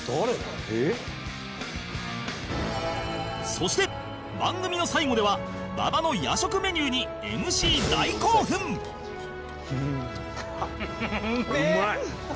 そして番組の最後では馬場の夜食メニューに ＭＣ 大興奮！フフ！